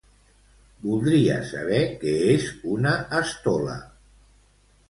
Voldria saber què és una estola.